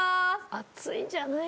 熱いんじゃない？